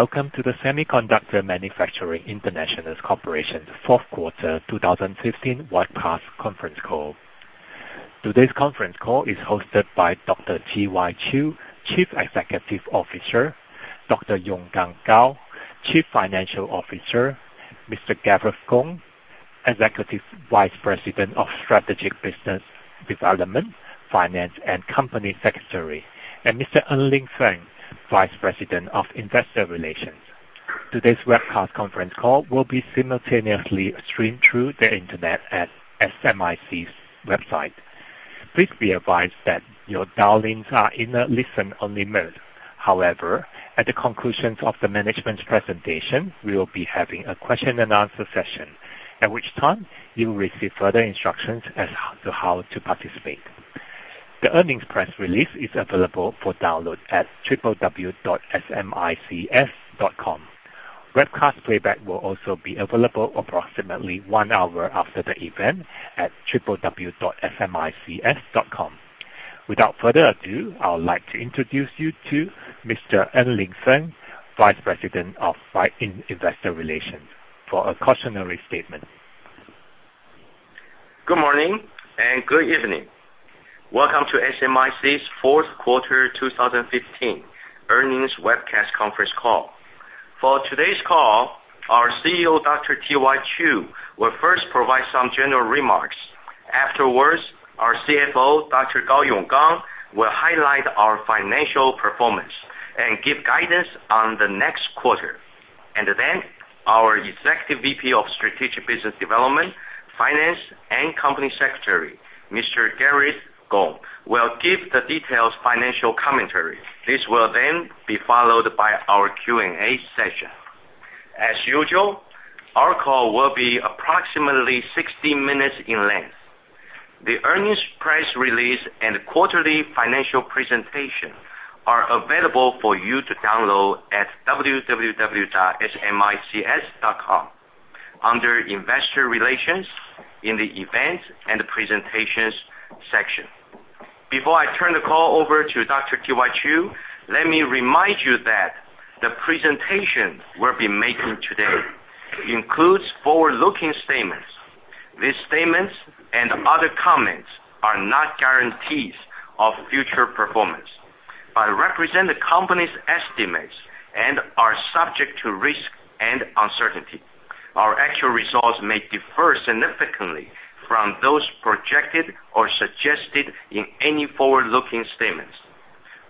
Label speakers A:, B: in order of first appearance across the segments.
A: Welcome to the Semiconductor Manufacturing International Corporation's fourth quarter 2015 webcast conference call. Today's conference call is hosted by Dr. T.Y. Chiu, Chief Executive Officer, Dr. Yonggang Gao, Chief Financial Officer, Mr. Gareth Kung, Executive Vice President of Strategic Business Development, Finance, and Company Secretary, and Mr. En-Lin Feng, Vice President of Investor Relations. Today's webcast conference call will be simultaneously streamed through the internet at SMIC's website. Please be advised that your dial-ins are in a listen-only mode. However, at the conclusion of the management presentation, we will be having a question and answer session, at which time you'll receive further instructions as to how to participate. The earnings press release is available for download at www.smics.com. Webcast playback will also be available approximately one hour after the event at www.smics.com. Without further ado, I would like to introduce you to Mr. En-Lin Feng, Vice President of Investor Relations, for a cautionary statement.
B: Good morning and good evening. Welcome to SMIC's fourth quarter 2015 earnings webcast conference call. For today's call, our CEO, Dr. T.Y. Chiu, will first provide some general remarks. Afterwards, our CFO, Dr. Gao Yonggang, will highlight our financial performance and give guidance on the next quarter. Then our Executive VP of Strategic Business Development, Finance, and Company Secretary, Mr. Gareth Kung, will give the detailed financial commentary. This will then be followed by our Q&A session. As usual, our call will be approximately 60 minutes in length. The earnings press release and quarterly financial presentation are available for you to download at www.smics.com under Investor Relations in the Events and Presentations section. Before I turn the call over to Dr. T.Y. Chiu, let me remind you that the presentation we'll be making today includes forward-looking statements. These statements and other comments are not guarantees of future performance but represent the company's estimates and are subject to risk and uncertainty. Our actual results may differ significantly from those projected or suggested in any forward-looking statements.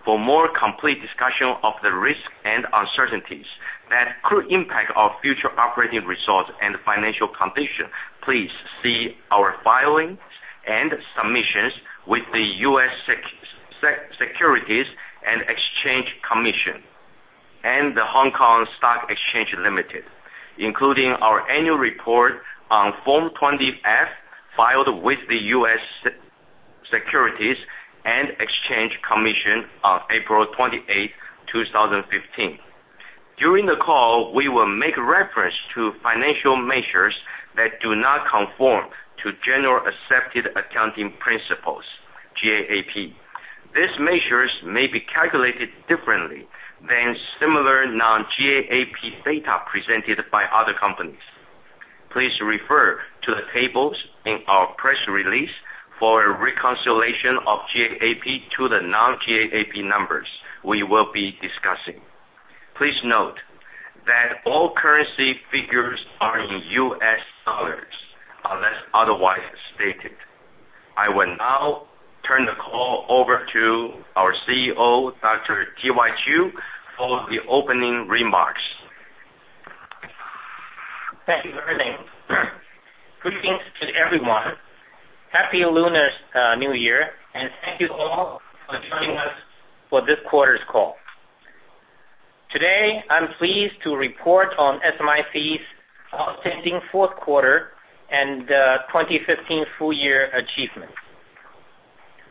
B: For more complete discussion of the risks and uncertainties that could impact our future operating results and financial condition, please see our filings and submissions with the U.S. Securities and Exchange Commission and the Hong Kong Stock Exchange Limited, including our annual report on Form 20-F filed with the U.S. Securities and Exchange Commission on April 28th, 2015. During the call, we will make reference to financial measures that do not conform to generally accepted accounting principles, GAAP. These measures may be calculated differently than similar non-GAAP data presented by other companies. Please refer to the tables in our press release for a reconciliation of GAAP to the non-GAAP numbers we will be discussing. Please note that all currency figures are in US dollars, unless otherwise stated. I will now turn the call over to our CEO, Dr. T.Y. Chiu, for the opening remarks.
C: Thank you, En-Lin. Greetings to everyone. Happy Lunar New Year, and thank you all for joining us for this quarter's call. Today, I'm pleased to report on SMIC's outstanding fourth quarter and 2015 full year achievements.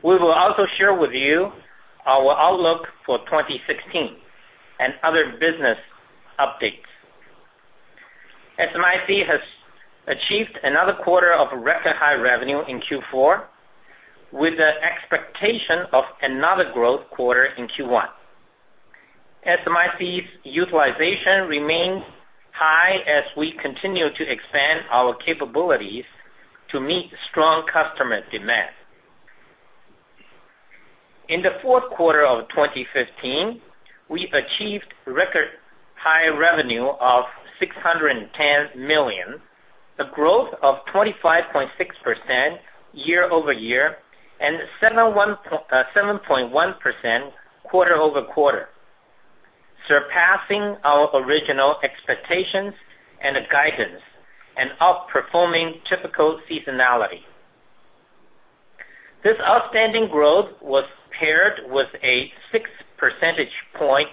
C: We will also share with you our outlook for 2016 and other business updates. SMIC has achieved another quarter of record high revenue in Q4 with the expectation of another growth quarter in Q1. SMIC's utilization remains high as we continue to expand our capabilities to meet strong customer demand. In the fourth quarter of 2015, we achieved record high revenue of $610 million, a growth of 25.6% year-over-year and 7.1% quarter-over-quarter, surpassing our original expectations and guidance and outperforming typical seasonality. This outstanding growth was paired with a six percentage point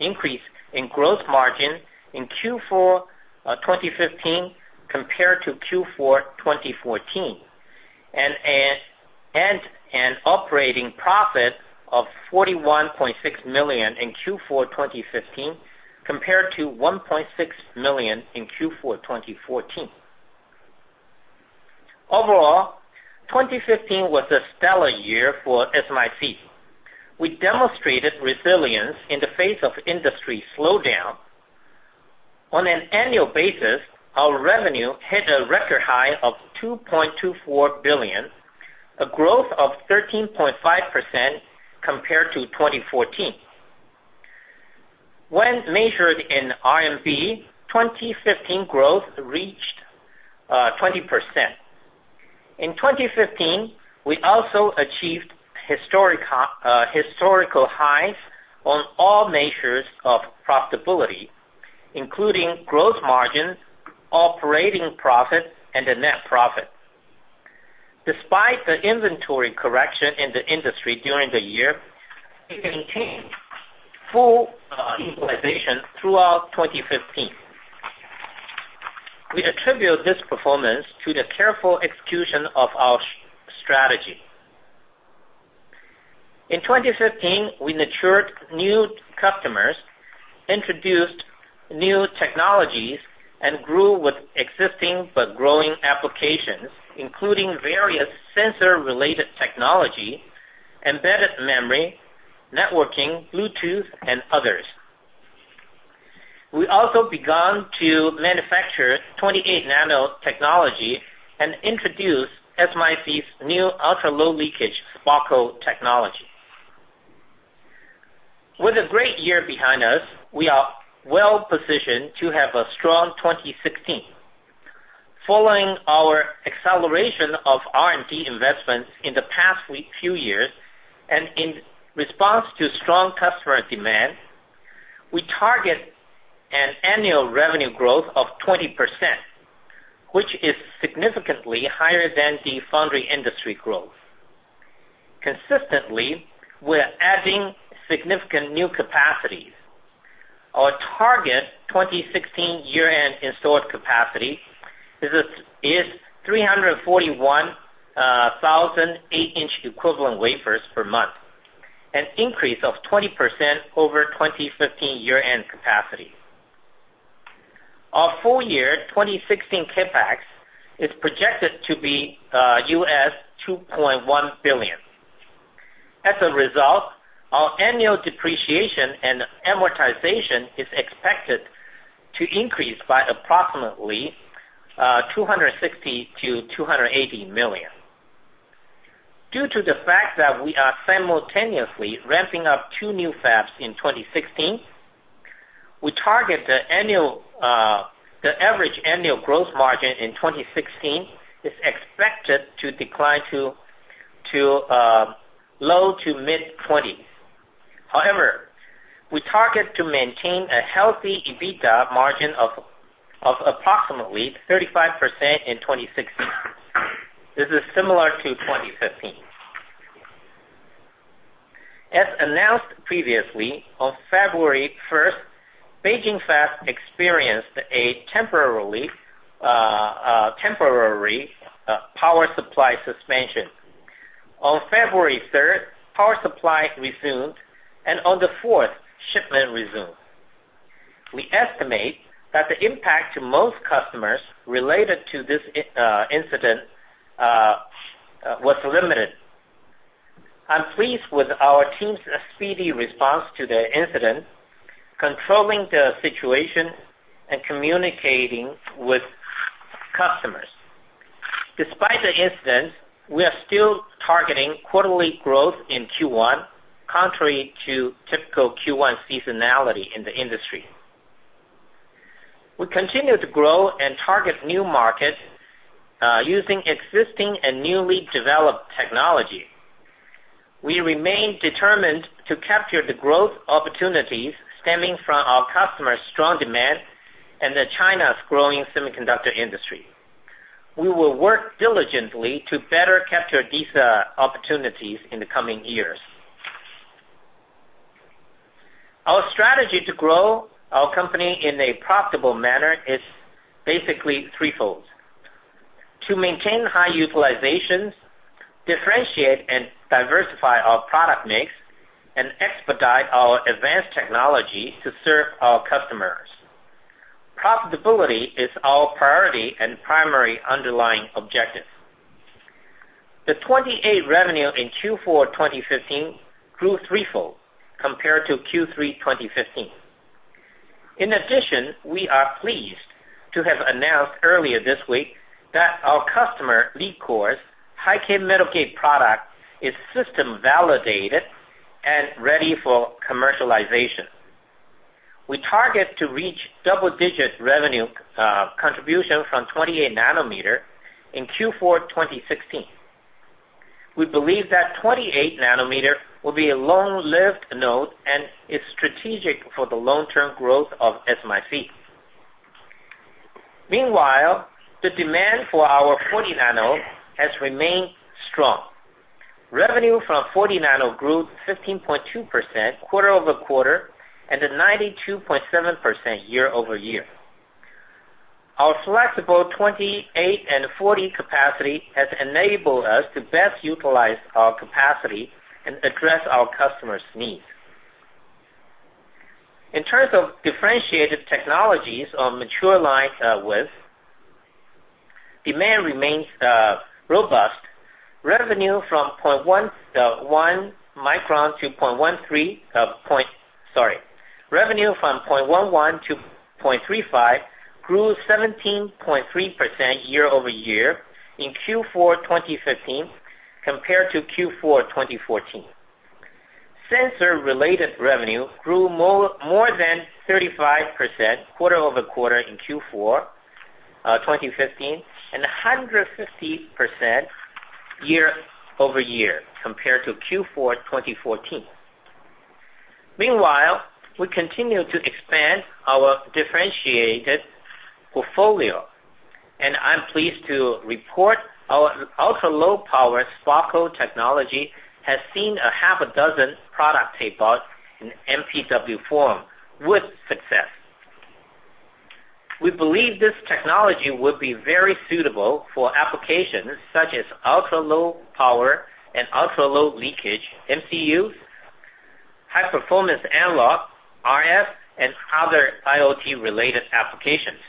C: increase in gross margin in Q4 2015 compared to Q4 2014, and an operating profit of $41.6 million in Q4 2015 compared to $1.6 million in Q4 2014. Overall, 2015 was a stellar year for SMIC. We demonstrated resilience in the face of industry slowdown. On an annual basis, our revenue hit a record high of $2.24 billion, a growth of 13.5% compared to 2014. When measured in RMB, 2015 growth reached 20%. In 2015, we also achieved historical highs on all measures of profitability, including gross margins, operating profit, and net profit. Despite the inventory correction in the industry during the year, we maintained full utilization throughout 2015. We attribute this performance to the careful execution of our strategy. In 2015, we matured new customers, introduced new technologies, and grew with existing but growing applications, including various sensor-related technology, embedded memory, networking, Bluetooth, and others. We also began to manufacture 28 nano technology and introduce SMIC's new ultra-low leakage SPOCLe technology. With a great year behind us, we are well-positioned to have a strong 2016. Following our acceleration of R&D investments in the past few years and in response to strong customer demand, we target an annual revenue growth of 20%, which is significantly higher than the foundry industry growth. Consistently, we're adding significant new capacities. Our target 2016 year-end installed capacity is 341,000 eight-inch equivalent wafers per month, an increase of 20% over 2015 year-end capacity. Our full year 2016 CapEx is projected to be US $2.1 billion. As a result, our annual depreciation and amortization is expected to increase by approximately $260 million-$280 million. Due to the fact that we are simultaneously ramping up two new fabs in 2016, we target the average annual gross margin in 2016 is expected to decline to low-to-mid-20s. However, we target to maintain a healthy EBITDA margin of approximately 35% in 2016. This is similar to 2015. As announced previously, on February 1st, Beijing Fab experienced a temporary power supply suspension. On February 3rd, power supply resumed, and on the 4th, shipment resumed. We estimate that the impact to most customers related to this incident was limited. I'm pleased with our team's speedy response to the incident, controlling the situation and communicating with customers. Despite the incident, we are still targeting quarterly growth in Q1, contrary to typical Q1 seasonality in the industry. We continue to grow and target new markets using existing and newly developed technology. We remain determined to capture the growth opportunities stemming from our customers' strong demand and China's growing semiconductor industry. We will work diligently to better capture these opportunities in the coming years. Our strategy to grow our company in a profitable manner is basically threefold: To maintain high utilizations, differentiate and diversify our product mix, and expedite our advanced technology to serve our customers. Profitability is our priority and primary underlying objective. The 28 revenue in Q4 2015 grew threefold compared to Q3 2015. In addition, we are pleased to have announced earlier this week that our customer, Leadcore, High-K Metal Gate product is system validated and ready for commercialization. We target to reach double-digit revenue contribution from 28 nanometer in Q4 2016. We believe that 28 nanometer will be a long-lived node and is strategic for the long-term growth of SMIC. Meanwhile, the demand for our 40 nano has remained strong. Revenue from 40 nano grew 15.2% quarter-over-quarter and 92.7% year-over-year. Our flexible 28 and 40 capacity has enabled us to best utilize our capacity and address our customers' needs. In terms of differentiated technologies on mature lines, demand remains robust. Revenue from 0.11 micron to 0.13. Revenue from 0.11 to 0.35 grew 17.3% year-over-year in Q4 2015 compared to Q4 2014. Sensor-related revenue grew more than 35% quarter-over-quarter in Q4 2015, and 150% year-over-year compared to Q4 2014. Meanwhile, we continue to expand our differentiated portfolio, and I'm pleased to report our ultra-low power SPOC technology has seen a half a dozen product tape-outs in MPW form with success. We believe this technology will be very suitable for applications such as ultra-low power and ultra-low leakage MCUs, high-performance analog, RF, and other IoT-related applications.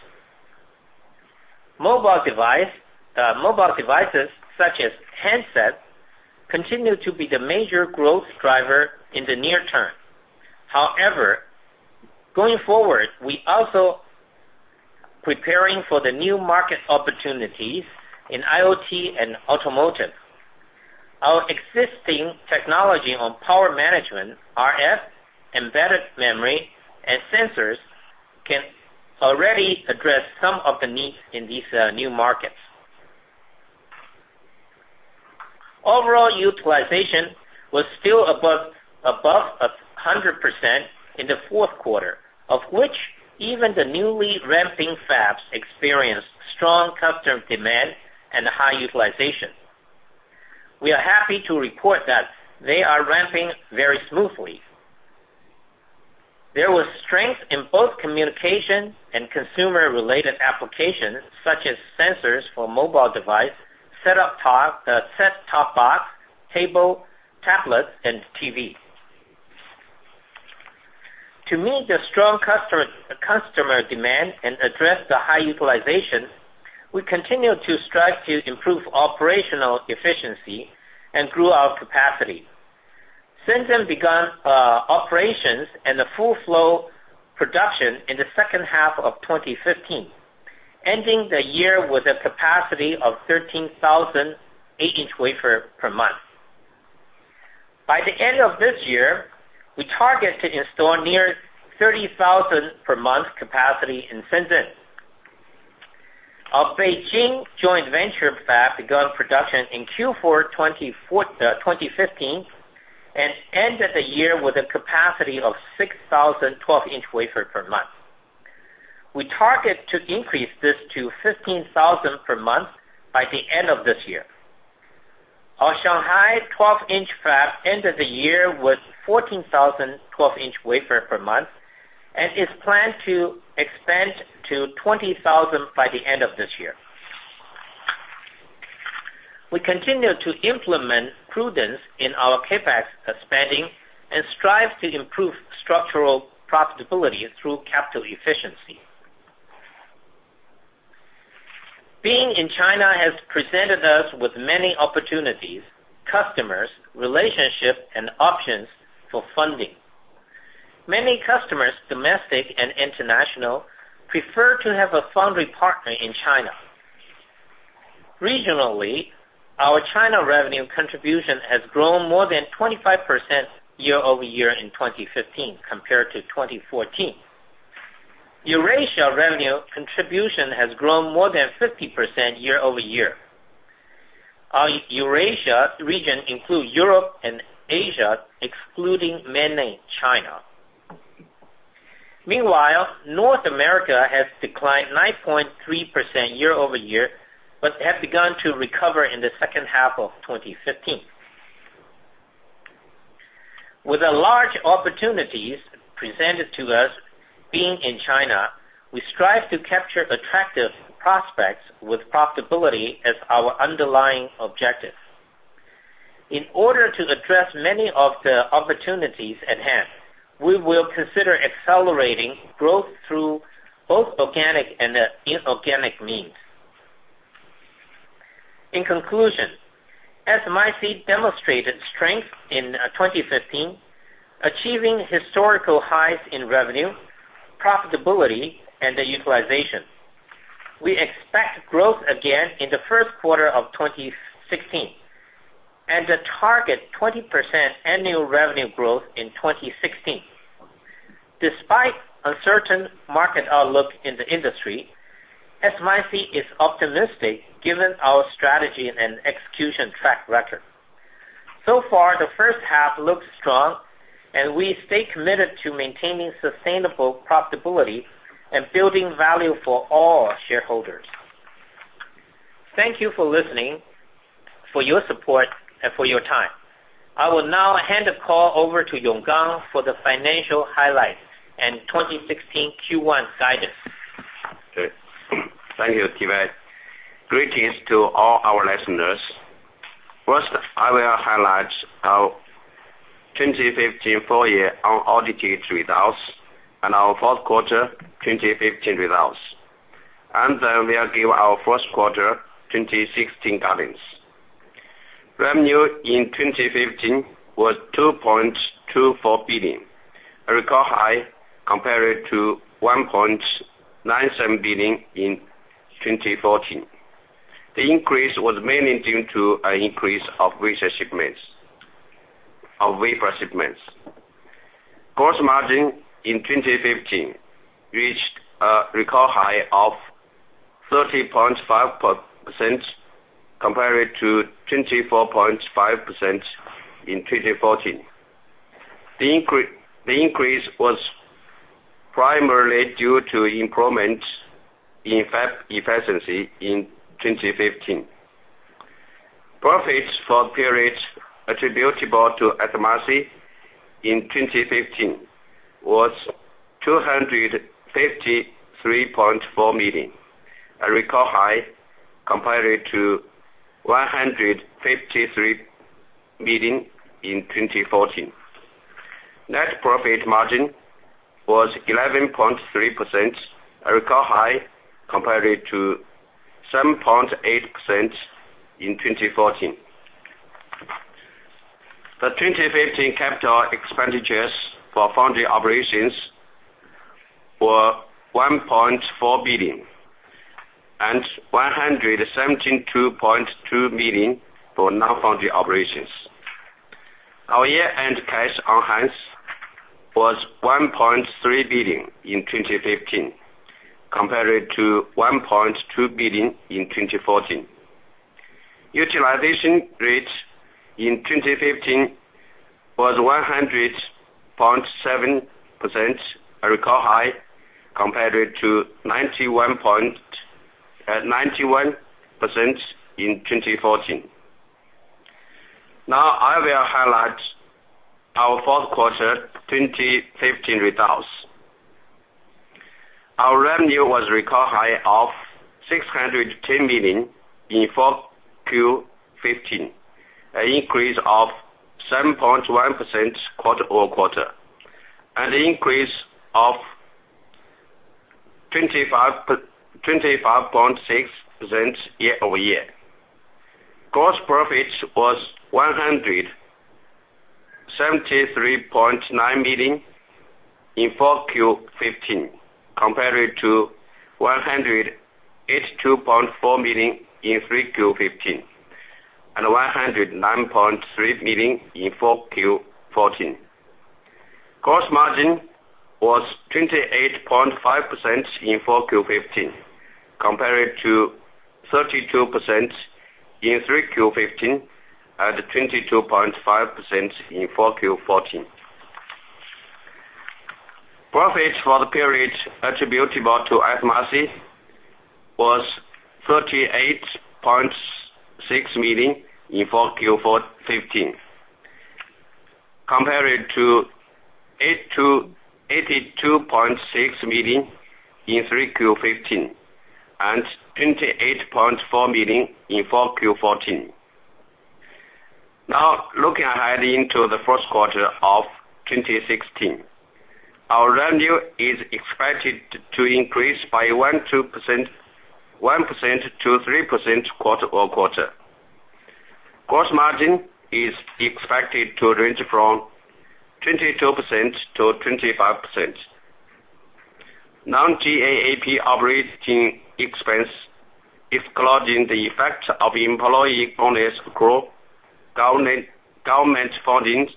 C: Mobile devices, such as handsets, continue to be the major growth driver in the near term. However, going forward, we also preparing for the new market opportunities in IoT and automotive. Our existing technology on power management, RF, embedded memory, and sensors can already address some of the needs in these new markets. Overall utilization was still above 100% in the fourth quarter, of which even the newly ramping fabs experienced strong customer demand and high utilization. We are happy to report that they are ramping very smoothly. There was strength in both communication and consumer-related applications, such as sensors for mobile device, set-top box, tablet, and TV. To meet the strong customer demand and address the high utilization, we continue to strive to improve operational efficiency and grow our capacity. Shenzhen began operations and the full flow production in the second half of 2015, ending the year with a capacity of 13,000 8-inch wafer per month. By the end of this year, we target to install near 30,000 per month capacity in Shenzhen. Our Beijing joint venture fab begun production in Q4 2015 and ended the year with a capacity of 6,000 12-inch wafer per month. We target to increase this to 15,000 per month by the end of this year. Our Shanghai 12-inch fab ended the year with 14,000 12-inch wafer per month and is planned to expand to 20,000 by the end of this year. We continue to implement prudence in our CapEx spending and strive to improve structural profitability through capital efficiency. Being in China has presented us with many opportunities, customers, relationship, and options for funding. Many customers, domestic and international, prefer to have a foundry partner in China. Regionally, our China revenue contribution has grown more than 25% year-over-year in 2015 compared to 2014. Eurasia revenue contribution has grown more than 50% year-over-year. Our Eurasia region includes Europe and Asia, excluding Mainland China. Meanwhile, North America has declined 9.3% year-over-year, but has begun to recover in the second half of 2015. With the large opportunities presented to us being in China, we strive to capture attractive prospects with profitability as our underlying objective. In order to address many of the opportunities at hand, we will consider accelerating growth through both organic and inorganic means. In conclusion, SMIC demonstrated strength in 2015, achieving historical highs in revenue, profitability, and the utilization. We expect growth again in the first quarter of 2016 and to target 20% annual revenue growth in 2016. Despite uncertain market outlook in the industry, SMIC is optimistic given our strategy and execution track record. The first half looks strong, and we stay committed to maintaining sustainable profitability and building value for all shareholders. Thank you for listening, for your support, and for your time. I will now hand the call over to Yonggang for the financial highlights and 2016 Q1 guidance.
D: Okay. Thank you, T.Y. Chiu. Greetings to all our listeners. First, I will highlight our 2015 full year unaudited results and our fourth quarter 2015 results. Then we'll give our first quarter 2016 guidance. Revenue in 2015 was $2.24 billion, a record high compared to $1.97 billion in 2014. The increase was mainly due to an increase of wafer shipments. Gross margin in 2015 reached a record high of 30.5% compared to 24.5% in 2014. The increase was primarily due to improvements in fab efficiency in 2015. Profits for the periods attributable to SMIC in 2015 was $253.4 million, a record high compared to $153 million in 2014. Net profit margin was 11.3%, a record high compared to 7.8% in 2014. The 2015 capital expenditures for foundry operations were $1.4 billion and $172.2 million for non-foundry operations. Our year-end cash on hand was $1.3 billion in 2015 compared to $1.2 billion in 2014. Utilization rate in 2015 was 100.7%, a record high compared to 91% in 2014. I will highlight our fourth quarter 2015 results. Our revenue was record high of $610 million in 4Q15, an increase of 7.1% quarter-over-quarter, and an increase of 25.6% year-over-year. Gross profit was $173.9 million in 4Q15, compared to $182.4 million in 3Q15, and $109.3 million in 4Q14. Gross margin was 28.5% in 4Q15, compared to 32% in 3Q15, and 22.5% in 4Q14. Profit for the period attributable to SMIC was $38.6 million in 4Q15, compared to $82.6 million in 3Q15, and $28.4 million in 4Q14. Looking ahead into the first quarter of 2016. Our revenue is expected to increase by 1%-3% quarter-over-quarter. Gross margin is expected to range from 22%-25%. Non-GAAP operating expense, excluding the effect of employee bonus growth, government funding,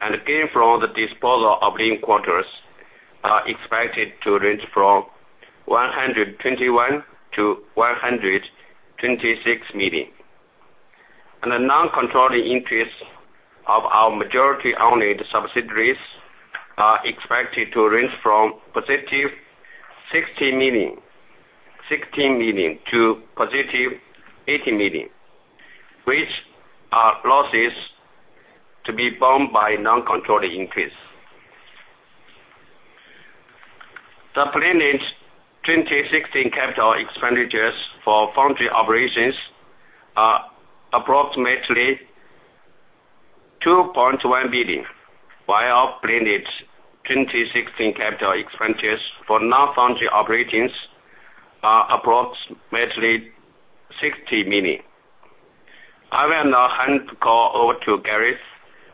D: and gain from the disposal of living quarters are expected to range from $121 million-$126 million. The non-controlling interests of our majority-owned subsidiaries are expected to range from positive $16 million to positive $18 million, which are losses to be borne by non-controlling interests. The planned 2016 capital expenditures for foundry operations are approximately $2.1 billion, while our planned 2016 capital expenditures for non-foundry operations are approximately $60 million. I will now hand the call over to Gareth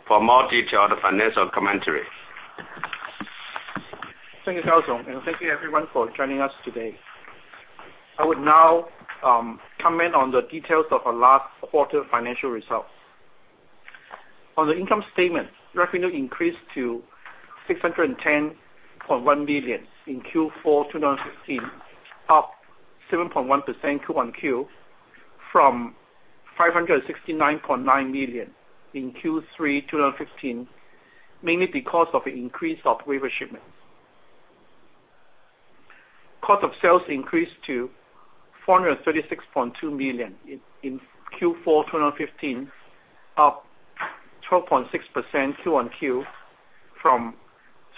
D: for more detailed financial commentary.
E: Thank you, Gao Yonggang, and thank you everyone for joining us today. I would now comment on the details of our last quarter financial results. On the income statement, revenue increased to $610.1 million in Q4 2015, up 7.1% Q on Q from $569.9 million in Q3 2015, mainly because of the increase of wafer shipments. Cost of sales increased to $436.2 million in Q4 2015, up 12.6% QOQ from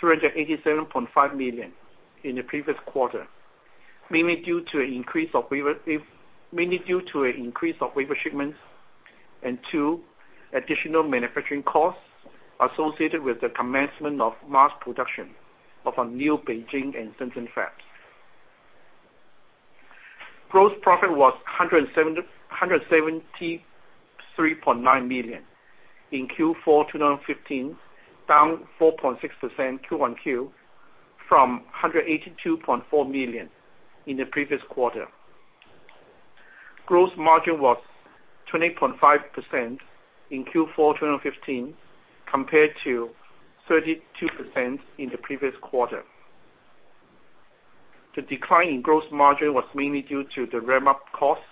E: $387.5 million in the previous quarter, mainly due to an increase of wafer shipments, and 2, additional manufacturing costs associated with the commencement of mass production of our new Beijing and Shenzhen fabs. Gross profit was $173.9 million in Q4 2015, down 4.6% QoQ from $182.4 million in the previous quarter. Gross margin was 28.5% in Q4 2015, compared to 32% in the previous quarter. The decline in gross margin was mainly due to the ramp-up costs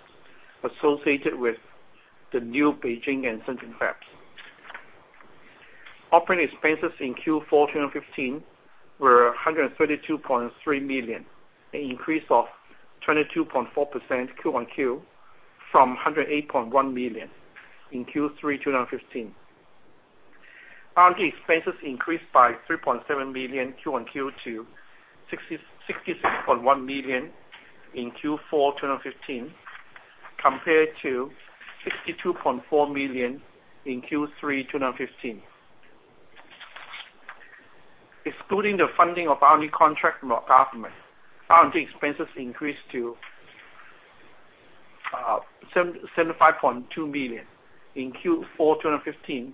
E: associated with the new Beijing and Shenzhen fabs. Operating expenses in Q4 2015 were $132.3 million, an increase of 22.4% QoQ from $108.1 million in Q3 2015. R&D expenses increased by $3.7 million QoQ to $66.1 million in Q4 2015, compared to $62.4 million in Q3 2015. Excluding the funding of R&D contract from the government, R&D expenses increased to $75.2 million in Q4 2015.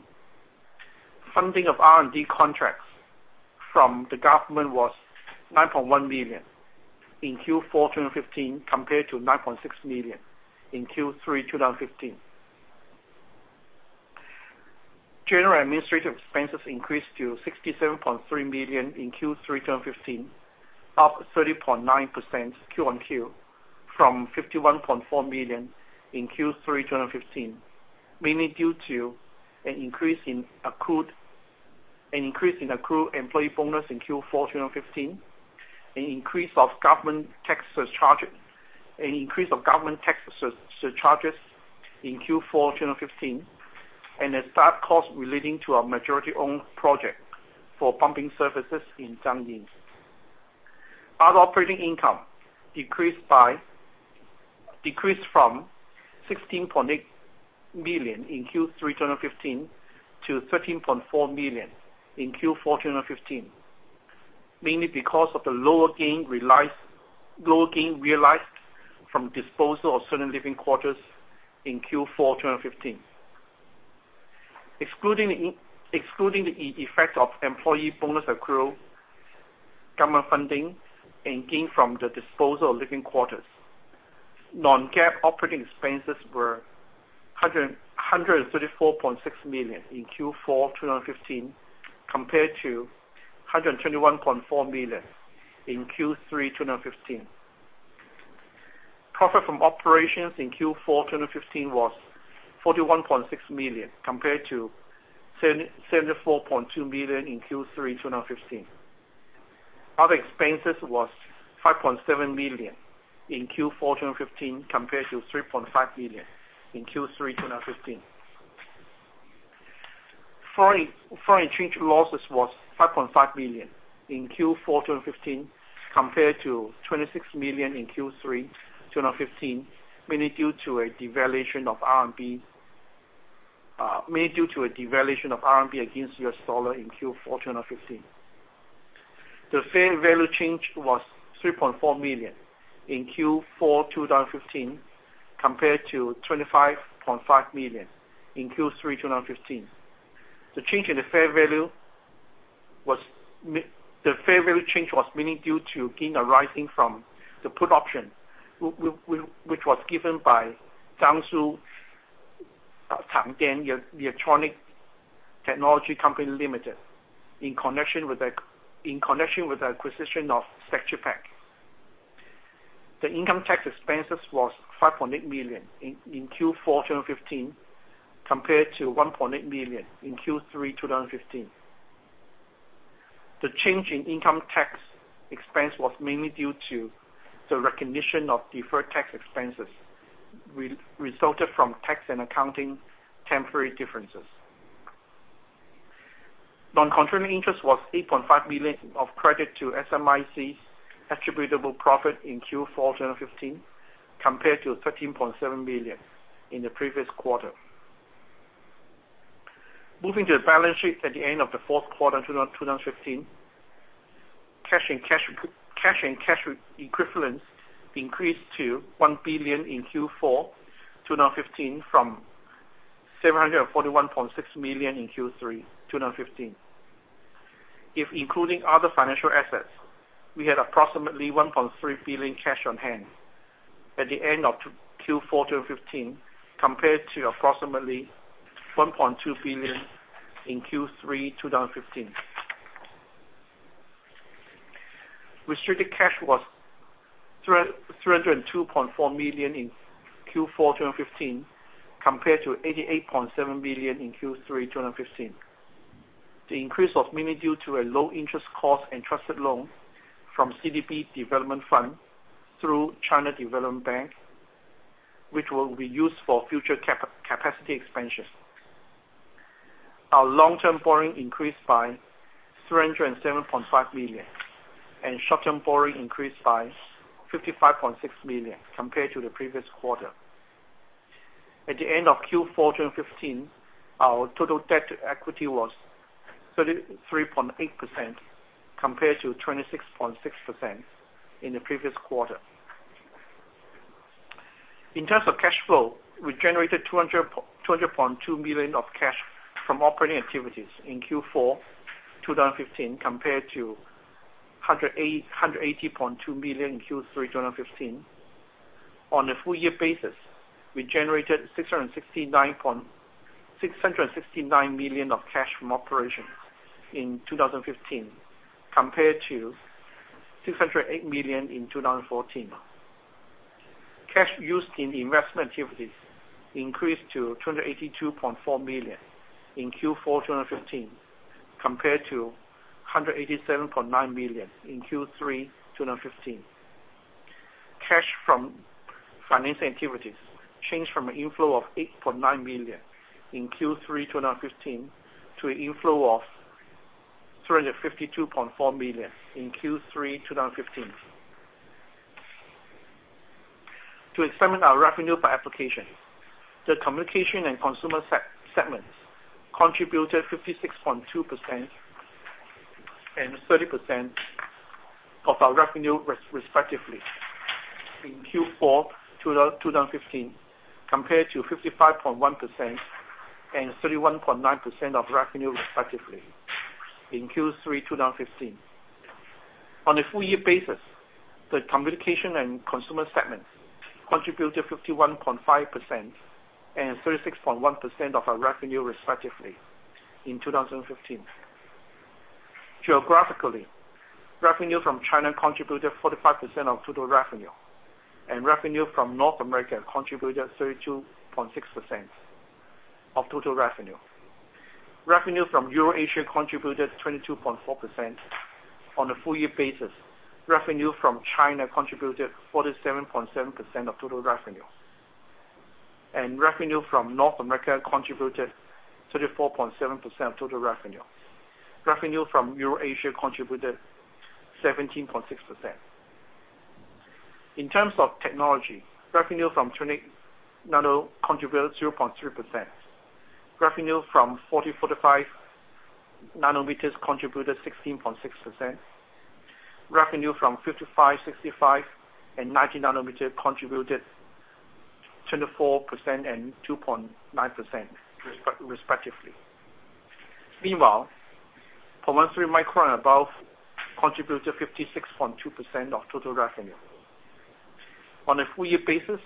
E: Funding of R&D contracts from the government was $9.1 million in Q4 2015, compared to $9.6 million in Q3 2015. General administrative expenses increased to 67.3 million in Q3 2015, up 30.9% quarter-over-quarter from 51.4 million in Q3 2015, mainly due to an increase in accrued employee bonus in Q4 2015, an increase of government taxes surcharges in Q4 2015, and the staff cost relating to our majority-owned project for bumping services in Jiangyin. Other operating income decreased from 16.8 million in Q3 2015 to 13.4 million in Q4 2015, mainly because of the lower gain realized from disposal of certain living quarters in Q4 2015. Excluding the effect of employee bonus accrual, government funding, and gain from the disposal of living quarters, non-GAAP operating expenses were 134.6 million in Q4 2015, compared to 121.4 million in Q3 2015. Profit from operations in Q4 2015 was 41.6 million, compared to 74.2 million in Q3 2015. Other expenses was 5.7 million in Q4 2015, compared to 3.5 million in Q3 2015. Foreign exchange losses was 5.5 million in Q4 2015, compared to 26 million in Q3 2015, mainly due to a devaluation of RMB against U.S. dollar in Q4 2015. The fair value change was 3.4 million in Q4 2015, compared to 25.5 million in Q3 2015. The fair value change was mainly due to gain arising from the put option, which was given by Jiangsu Changjiang Electronics Technology Co., Ltd. in connection with the acquisition of STATS ChipPAC. The income tax expenses was 5.8 million in Q4 2015, compared to 1.8 million in Q3 2015. The change in income tax expense was mainly due to the recognition of deferred tax expenses, resulted from tax and accounting temporary differences. Non-controlling interest was 8.5 million of credit to SMIC's attributable profit in Q4 2015, compared to 13.7 million in the previous quarter. Moving to the balance sheet at the end of the fourth quarter 2015. Cash and cash equivalents increased to 1 billion in Q4 2015 from 741.6 million in Q3 2015. If including other financial assets, we had approximately 1.3 billion cash on hand at the end of Q4 2015, compared to approximately 1.2 billion in Q3 2015. Restricted cash was 302.4 million in Q4 2015, compared to 88.7 million in Q3 2015. The increase of mainly due to a low-interest cost entrusted loan from CDB Development Fund through China Development Bank, which will be used for future capacity expansions. Our long-term borrowing increased by 307.5 million, and short-term borrowing increased by 55.6 million compared to the previous quarter. At the end of Q4 2015, our total debt to equity was 33.8% compared to 26.6% in the previous quarter. In terms of cash flow, we generated 200.2 million of cash from operating activities in Q4 2015 compared to 180.2 million in Q3 2015. On a full year basis, we generated 669 million of cash from operations in 2015 compared to 608 million in 2014. Cash used in investment activities increased to 282.4 million in Q4 2015 compared to 187.9 million in Q3 2015. Cash from financing activities changed from an inflow of 8.9 million in Q3 2015 to an inflow of 352.4 million in Q3 2015. To examine our revenue by application, the communication and consumer segments contributed 56.2% and 30% of our revenue, respectively, in Q4 2015 compared to 55.1% and 31.9% of revenue, respectively, in Q3 2015. On a full year basis, the communication and consumer segments contributed 51.5% and 36.1% of our revenue, respectively, in 2015. Geographically, revenue from China contributed 45% of total revenue. Revenue from North America contributed 32.6% of total revenue. Revenue from Euro-Asia contributed 22.4%. On a full year basis, revenue from China contributed 47.7% of total revenue. Revenue from North America contributed 34.7% of total revenue. Revenue from Euro-Asia contributed 17.6%. In terms of technology, revenue from 28 nano contributed 0.3%. Revenue from 40, 45 nanometers contributed 16.6%. Revenue from 55, 65, and 90 nanometer contributed 24% and 2.9%, respectively. Meanwhile, 0.13 micron and above contributed 56.2% of total revenue. On a full year basis,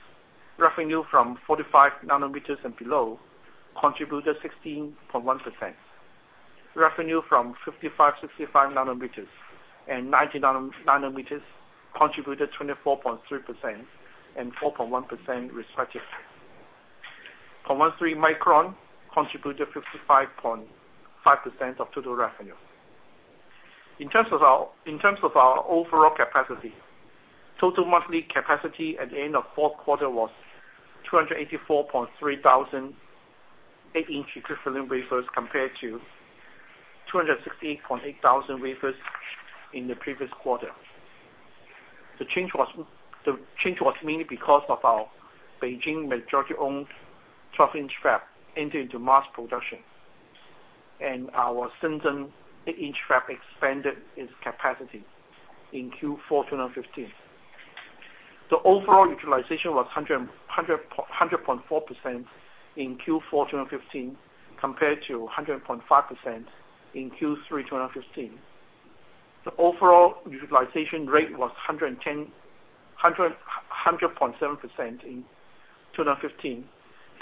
E: revenue from 45 nanometers and below contributed 16.1%. Revenue from 55, 65 nanometers and 90 nanometers contributed 24.3% and 4.1%, respectively. 0.13 micron contributed 55.5% of total revenue. In terms of our overall capacity, total monthly capacity at the end of fourth quarter was 284.3 thousand 8-inch equivalent wafers compared to 268.8 thousand wafers in the previous quarter. The change was mainly because of our Beijing majority-owned 12-inch fab entered into mass production. Our Shenzhen 8-inch fab expanded its capacity in Q4 2015. The overall utilization was 100.4% in Q4 2015 compared to 100.5% in Q3 2015. The overall utilization rate was 100.7% in 2015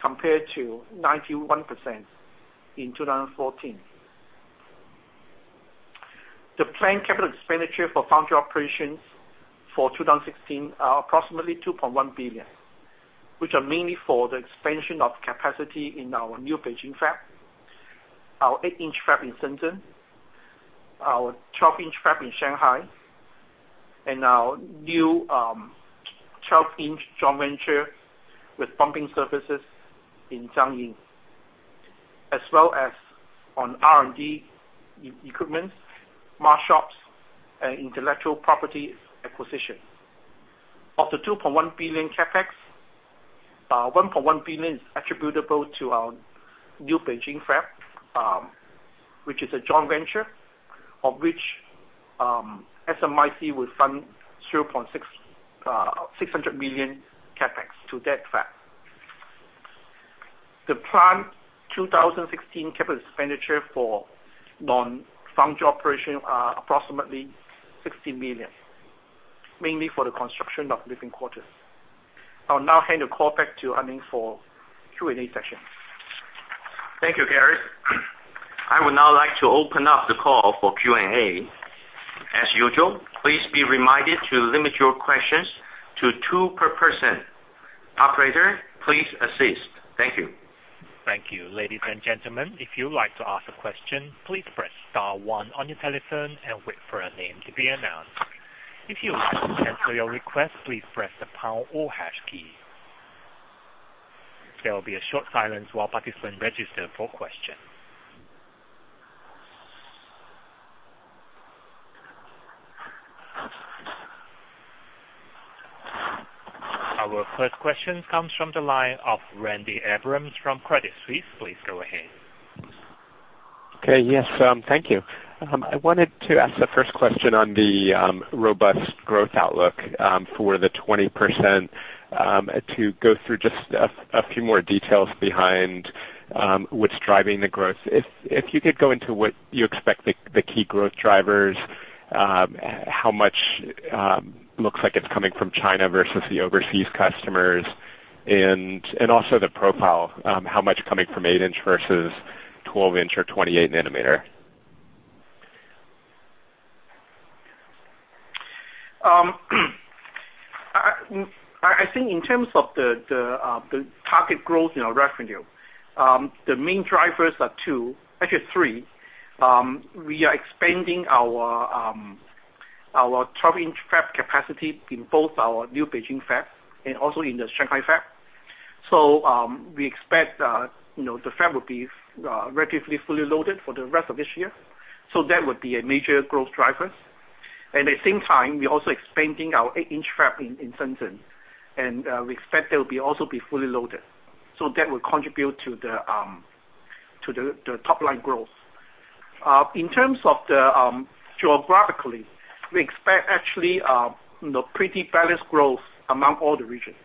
E: compared to 91% in 2014. The planned capital expenditure for foundry operations for 2016 are approximately $2.1 billion, which are mainly for the expansion of capacity in our new Beijing fab, our 8-inch fab in Shenzhen, our 12-inch fab in Shanghai. Our new 12-inch joint venture with bumping services in Jiangyin, as well as on R&D equipment, mask shops, and intellectual property acquisition. Of the $2.1 billion CapEx, $1.1 billion is attributable to our new Beijing fab, which is a joint venture, of which SMIC will fund $600 million CapEx to that fab. The planned 2016 capital expenditure for non-foundry operations are approximately $60 million, mainly for the construction of living quarters. I'll now hand the call back to En-Lin for Q&A session.
B: Thank you, Gareth. I would now like to open up the call for Q&A As usual, please be reminded to limit your questions to two per person. Operator, please assist. Thank you.
A: Thank you. Ladies and gentlemen, if you would like to ask a question, please press star one on your telephone and wait for a name to be announced. If you would like to cancel your request, please press the pound or hash key. There will be a short silence while participants register for questions. Our first question comes from the line of Randy Abrams from Credit Suisse. Please go ahead.
F: Okay. Yes, thank you. I wanted to ask the first question on the robust growth outlook, for the 20%, to go through just a few more details behind what's driving the growth. If you could go into what you expect the key growth drivers, how much looks like it's coming from China versus the overseas customers, and also the profile. How much coming from eight-inch versus 12-inch or 28 nanometer?
E: I think in terms of the target growth in our revenue, the main drivers are two, actually three. We are expanding our 12-inch fab capacity in both our new Beijing fab and also in the Shanghai fab. We expect the fab will be relatively fully loaded for the rest of this year. That would be a major growth driver. At the same time, we're also expanding our eight-inch fab in Shenzhen, and we expect that will also be fully loaded. That will contribute to the top-line growth. In terms of geographically, we expect actually a pretty balanced growth among all the regions.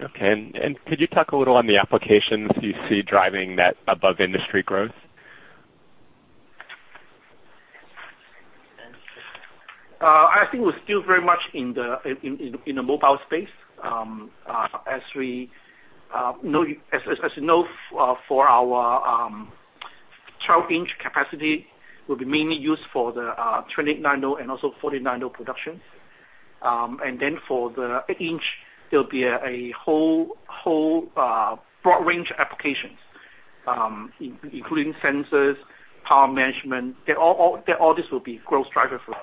F: Okay. Could you talk a little on the applications you see driving that above-industry growth?
E: I think we're still very much in the mobile space. As you know, for our 12-inch capacity, will be mainly used for the 28 nano and also 40 nano productions. For the eight inch, there'll be a whole broad range of applications, including sensors, power management. All this will be growth drivers for us.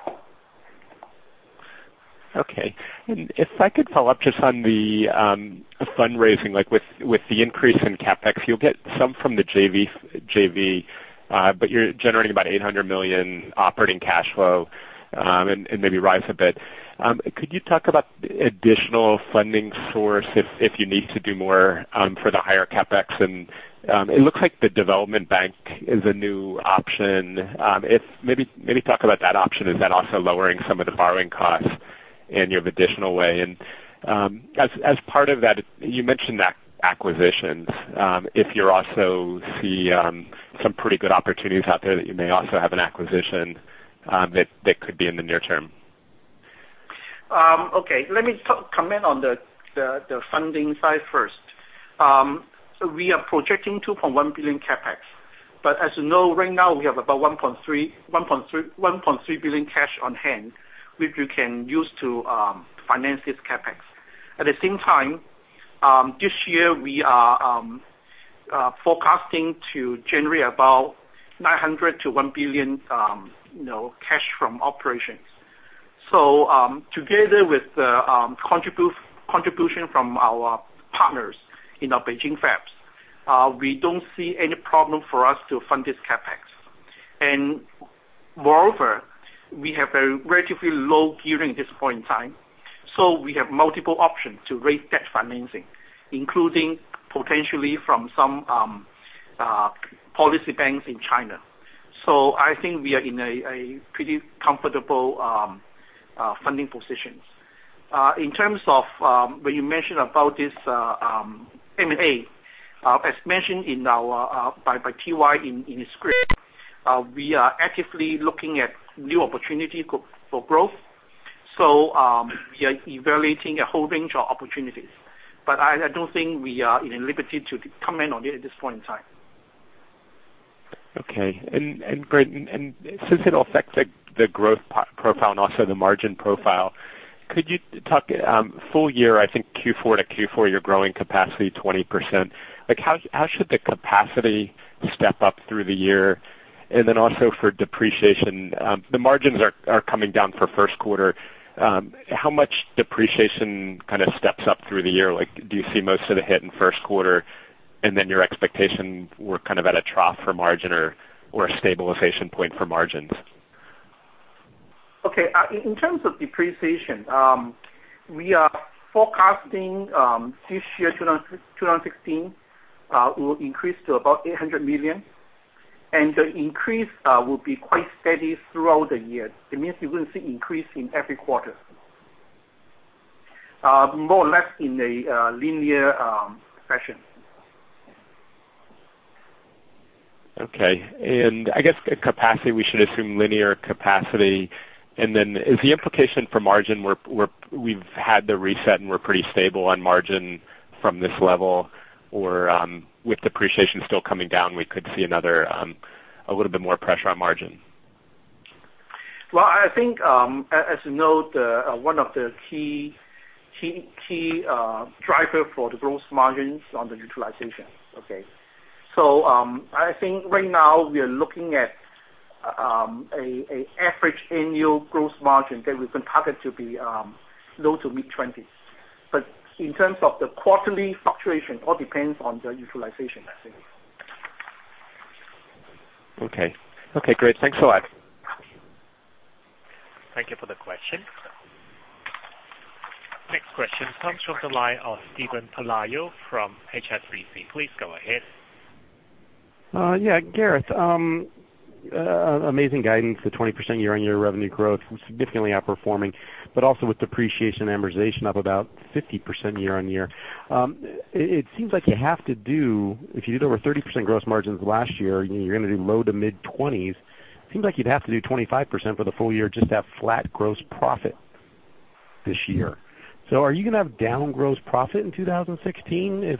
F: Okay. If I could follow up just on the fundraising, like with the increase in CapEx, you'll get some from the JV, but you're generating about $800 million operating cash flow, and maybe rise a bit. Could you talk about additional funding source if you need to do more for the higher CapEx? It looks like the development bank is a new option. Maybe talk about that option. Is that also lowering some of the borrowing costs and you have additional way? As part of that, you mentioned acquisitions, if you also see some pretty good opportunities out there that you may also have an acquisition, that could be in the near term.
E: Okay. Let me comment on the funding side first. We are projecting $2.1 billion CapEx. As you know, right now, we have about $1.3 billion cash on hand, which we can use to finance this CapEx. At the same time, this year, we are forecasting to generate about $900 million to $1 billion cash from operations. Together with the contribution from our partners in our Beijing fabs, we don't see any problem for us to fund this CapEx. Moreover, we have a relatively low gearing at this point in time. We have multiple options to raise that financing, including potentially from some policy banks in China. I think we are in a pretty comfortable funding position. In terms of when you mentioned about this M&A, as mentioned by TY in his script, we are actively looking at new opportunities for growth. We are evaluating a whole range of opportunities. I don't think we are in a liberty to comment on it at this point in time.
F: Great, since it affects the growth profile and also the margin profile, could you talk full year, I think Q4 to Q4, you're growing capacity 20%. How should the capacity step up through the year? Also for depreciation. The margins are coming down for first quarter. How much depreciation kind of steps up through the year? Do you see most of the hit in first quarter then your expectations were at a trough for margin or a stabilization point for margins?
E: In terms of depreciation, we are forecasting this year, 2016, will increase to about $800 million, the increase will be quite steady throughout the year. It means we will see increase in every quarter. More or less in a linear fashion.
F: I guess capacity, we should assume linear capacity. Is the implication for margin, we've had the reset and we're pretty stable on margin from this level? With depreciation still coming down, we could see a little bit more pressure on margin?
E: Well, I think, as you know, one of the key driver for the gross margins on the utilization. Okay. I think right now we are looking at, a average annual gross margin that we can target to be low to mid-20s%. In terms of the quarterly fluctuation, all depends on the utilization, I think.
F: Okay, great. Thanks a lot.
A: Thank you for the question. Next question comes from the line of Steven Pelayo from HSBC. Please go ahead.
G: Gareth, amazing guidance, the 20% year-on-year revenue growth, significantly outperforming, but also with depreciation amortization up about 50% year-on-year. If you did over 30% gross margins last year, you're going to do low to mid-20s%. Seems like you'd have to do 25% for the full year, just to have flat gross profit this year. Are you going to have down gross profit in 2016?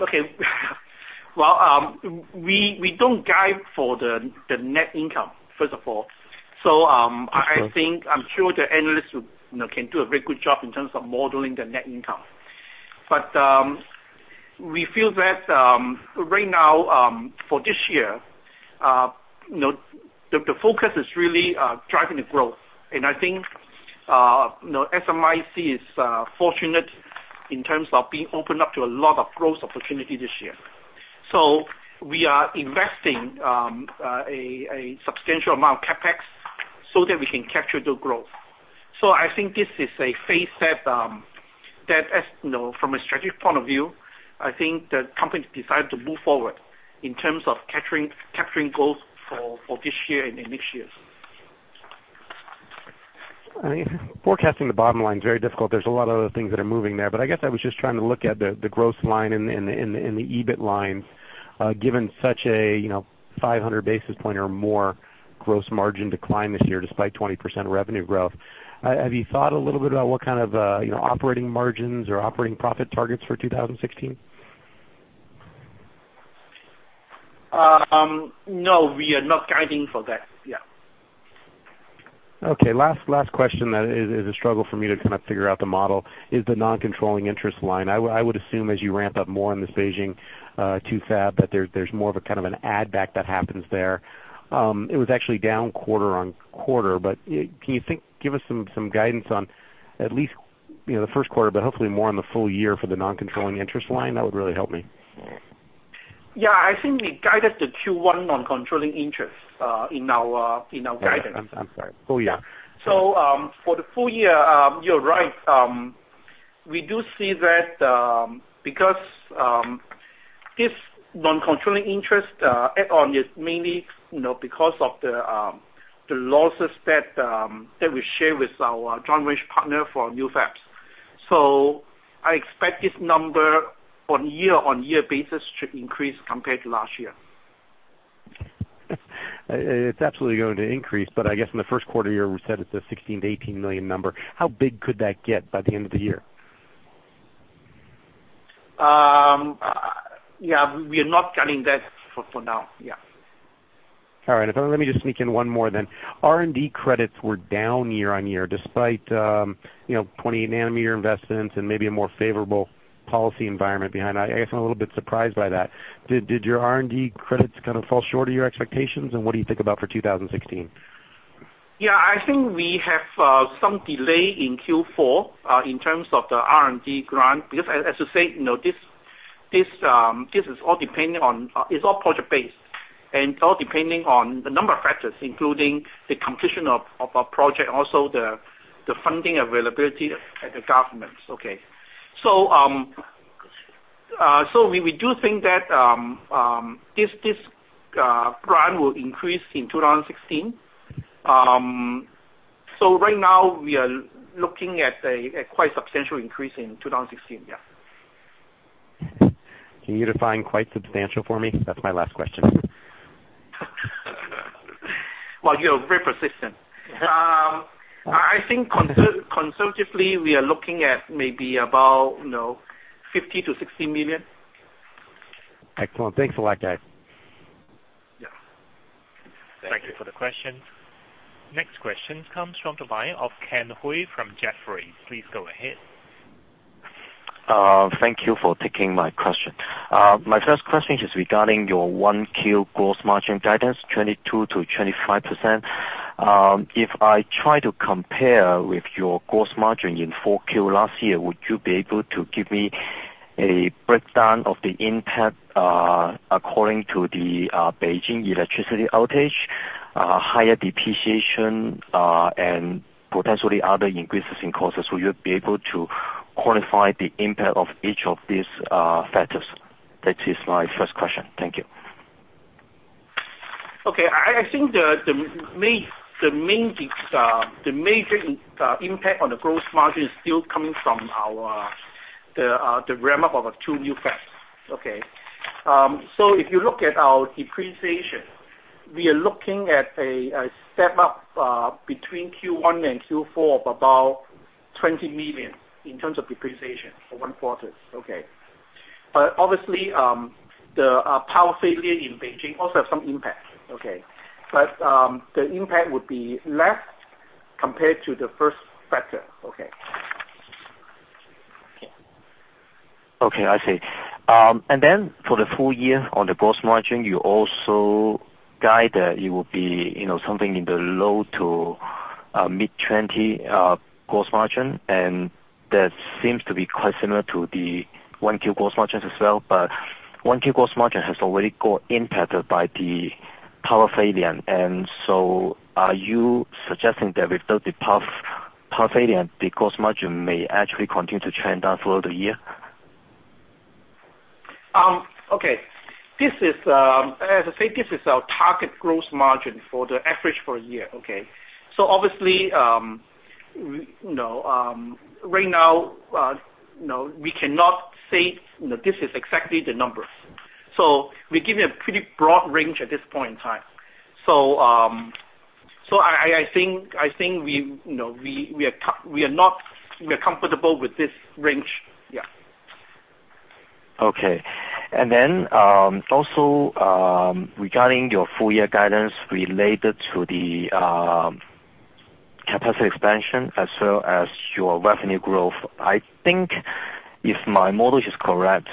E: Okay. Well, we don't guide for the net income, first of all.
G: Okay.
E: I'm sure the analysts can do a very good job in terms of modeling the net income. We feel that, right now, for this year, the focus is really driving the growth. I think SMIC is fortunate in terms of being open up to a lot of growth opportunity this year. We are investing a substantial amount of CapEx so that we can capture the growth. I think this is a phase that from a strategic point of view, I think the company's decided to move forward in terms of capturing growth for this year and next year.
G: I mean, forecasting the bottom line is very difficult. There's a lot of other things that are moving there. I guess I was just trying to look at the growth line and the EBIT line, given such a 500 basis points or more gross margin decline this year, despite 20% revenue growth. Have you thought a little bit about what kind of operating margins or operating profit targets for 2016?
E: No, we are not guiding for that. Yeah.
G: Okay, last question that is a struggle for me to kind of figure out the model, is the non-controlling interest line. I would assume as you ramp up more in this Beijing 2fab, that there's more of a kind of an add back that happens there. It was actually down quarter-on-quarter, but can you give us some guidance on at least the first quarter, but hopefully more on the full year for the non-controlling interest line? That would really help me.
E: Yeah, I think we guided the Q1 non-controlling interest in our guidance.
G: I'm sorry. Full year.
E: Yeah. for the full year, you're right. We do see that, because this non-controlling interest add on is mainly because of the losses that we share with our joint venture partner for new fabs. I expect this number on year-on-year basis should increase compared to last year.
G: It's absolutely going to increase. I guess in the first quarter year, we said it's a $16 million-$18 million number. How big could that get by the end of the year?
E: Yeah, we are not counting that for now. Yeah.
G: All right. Let me just sneak in one more then. R&D credits were down year-on-year despite 28 nanometer investments. Maybe a more favorable policy environment behind. I guess I'm a little bit surprised by that. Did your R&D credits kind of fall short of your expectations? What do you think about for 2016?
E: Yeah, I think we have some delay in Q4, in terms of the R&D grant, because as you say, this is all project-based and all depending on the number of factors, including the completion of a project, also the funding availability at the government. Okay. We do think that this grant will increase in 2016. Right now we are looking at a quite substantial increase in 2016, yeah.
G: Can you define quite substantial for me? That's my last question.
E: Well, you're very persistent. I think conservatively, we are looking at maybe about 50 million to 60 million.
G: Excellent. Thanks a lot, guys.
E: Yeah.
A: Thank you for the question. Next question comes from the line of Ken Hui from Jefferies. Please go ahead.
H: Thank you for taking my question. My first question is regarding your 1Q gross margin guidance, 22%-25%. If I try to compare with your gross margin in 4Q last year, would you be able to give me a breakdown of the impact according to the Beijing electricity outage, higher depreciation, and potentially other increases in costs? Will you be able to quantify the impact of each of these factors? That is my first question. Thank you.
E: I think the major impact on the gross margin is still coming from the ramp-up of our two new fabs. If you look at our depreciation, we are looking at a step up between Q1 and Q4 of about $20 million, in terms of depreciation for one quarter. Obviously, the power failure in Beijing also have some impact. The impact would be less compared to the first factor.
H: I see. For the full year on the gross margin, you also guide that it will be something in the low to mid 20% gross margin, and that seems to be quite similar to the 1Q gross margins as well. 1Q gross margin has already got impacted by the power failure. Are you suggesting that without the power failure, the gross margin may actually continue to trend down throughout the year?
E: As I said, this is our target gross margin for the average for a year. Obviously, right now, we cannot say this is exactly the number. We're giving a pretty broad range at this point in time. I think we are comfortable with this range.
H: Okay. Also, regarding your full-year guidance related to the capacity expansion as well as your revenue growth, I think if my model is correct,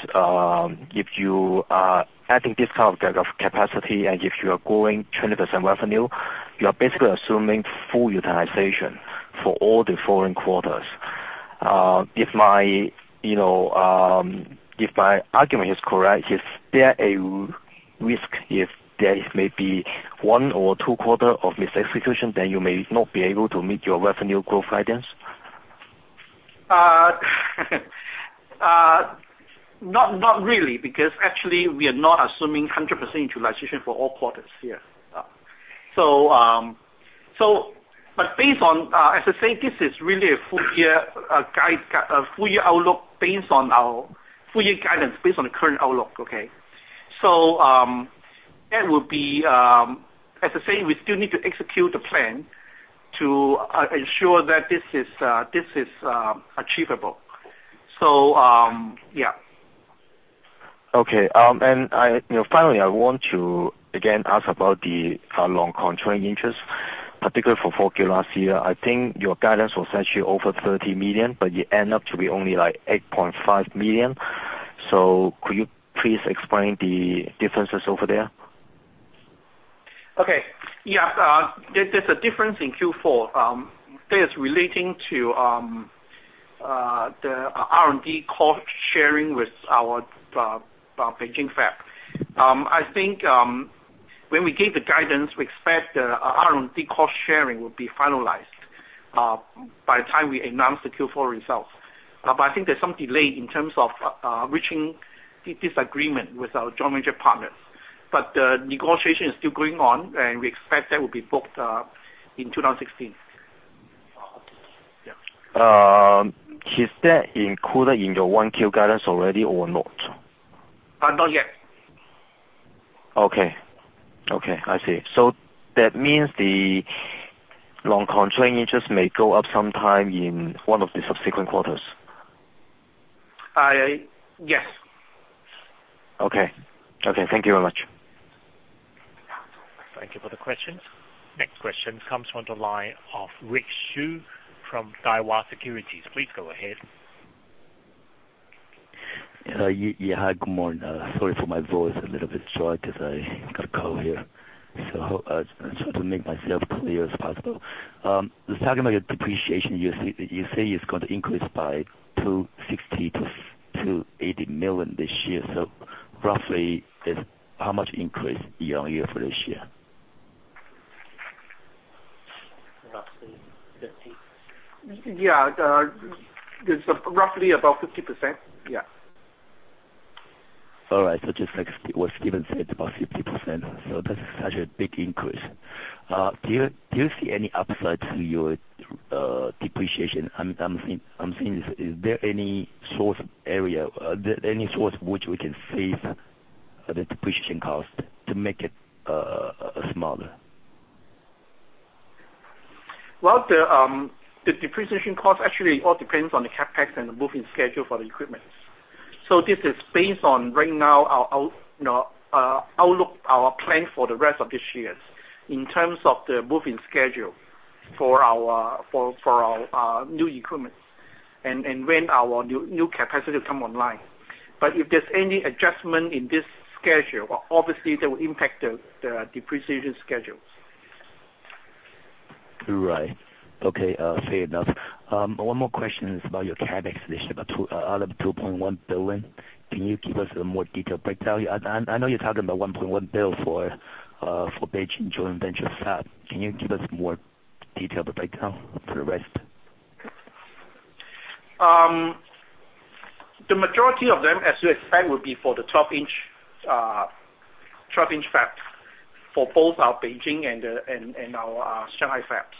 H: if you are adding this kind of capacity, and if you are growing 20% revenue, you are basically assuming full utilization for all the following quarters. If my argument is correct, is there a risk if there is maybe one or two quarters of misexecution, then you may not be able to meet your revenue growth guidance?
E: Not really, because actually, we are not assuming 100% utilization for all quarters, yeah. As I said, this is really a full-year outlook based on our full-year guidance, based on the current outlook, okay? That would be, as I say, we still need to execute the plan to ensure that this is achievable. Yeah.
H: Okay. Finally, I want to again ask about the long-term non-controlling interest, particularly for 4Q last year. I think your guidance was actually over $30 million, but you end up to be only $8.5 million. Could you please explain the differences over there?
E: Okay. Yeah. There's a difference in Q4. That is relating to the R&D cost-sharing with our Beijing fab. I think, when we gave the guidance, we expect the R&D cost-sharing would be finalized by the time we announce the Q4 results. I think there's some delay in terms of reaching this agreement with our joint venture partners. The negotiation is still going on, and we expect that will be booked in 2016. Yeah.
H: Is that included in your 1Q guidance already or not?
E: Not yet.
H: Okay. I see. That means the non-controlling interests may go up sometime in one of the subsequent quarters?
E: Yes.
H: Okay. Thank you very much.
A: Thank you for the questions. Next question comes from the line of Rick Hsu from Daiwa Securities. Please go ahead.
I: Yeah. Hi, good morning. Sorry for my voice, a little bit short as I got a cold here. I try to make myself clear as possible. Just talking about your depreciation, you say it's going to increase by $260 million-$280 million this year. Roughly, how much increase year-on-year for this year?
E: Roughly 50%. Yeah. There's roughly about 50%. Yeah.
I: All right. Just like what Steven Pelayo said, about 50%. That is such a big increase. Do you see any upside to your depreciation? I'm saying, is there any source area, any source which we can save the depreciation cost to make it smaller?
E: Well, the depreciation cost actually all depends on the CapEx and the moving schedule for the equipment. This is based on, right now, our outlook, our plan for the rest of this year, in terms of the moving schedule for our new equipment and when our new capacity will come online. If there's any adjustment in this schedule, obviously, that will impact the depreciation schedules.
I: Right. Okay, fair enough. One more question is about your CapEx. Out of $2.1 billion, can you give us a more detailed breakdown? I know you're talking about $1.1 billion for Beijing joint venture fab. Can you give us more detailed breakdown for the rest?
E: The majority of them, as you expect, would be for the 12-inch fab for both our Beijing and our Shanghai fabs.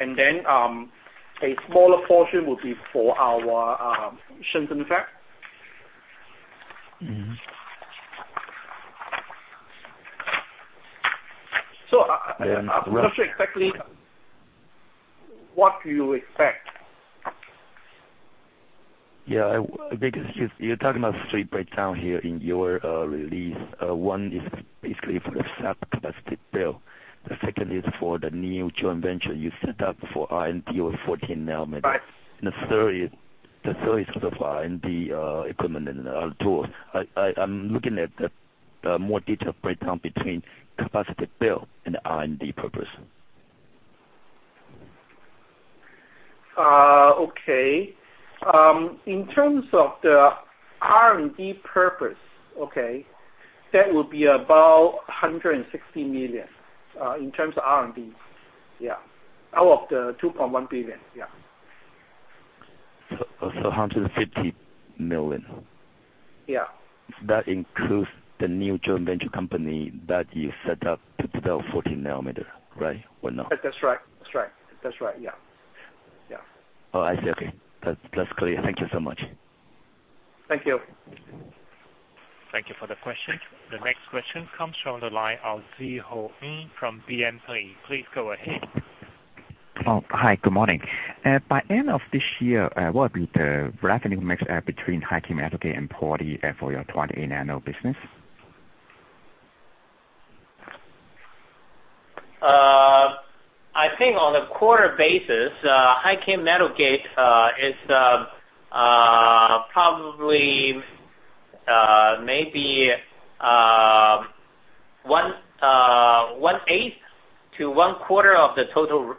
E: A smaller portion would be for our Shenzhen fab. I'm not sure exactly what you expect.
I: Yeah. You're talking about three breakdown here in your release. One is basically for the fab capacity build. The second is for the new joint venture you set up for R&D with 14 nanometer.
E: Right.
I: The third is for the R&D equipment and tools. I'm looking at the more detailed breakdown between capacity build and R&D purpose.
E: Okay. In terms of the R&D purpose, that would be about $160 million, in terms of R&D. Yeah. Out of the $2.1 billion. Yeah.
I: $150 million.
E: Yeah.
I: That includes the new joint venture company that you set up to build 14 nanometer, right? Or no?
E: That's right. Yeah.
I: I see. Okay. That's clear. Thank you so much.
E: Thank you.
A: Thank you for the question. The next question comes from the line of Zi Hou Ng from BNP. Please go ahead.
J: Hi. Good morning. By end of this year, what will be the revenue mix between High-K Metal Gate and PolySiON for your 28 nano business?
E: I think on a quarter basis, High-K Metal Gate is probably, maybe one eighth to one quarter of the total